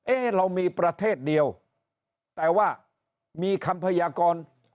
เรามีประเทศเดียวแต่ว่ามีคำพยากร